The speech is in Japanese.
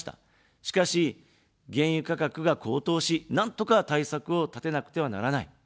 しかし、原油価格が高騰し、なんとか対策を立てなくてはならない。